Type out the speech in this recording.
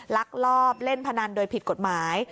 ลักลอบเล่นพนันโดยผิดกฎหมาย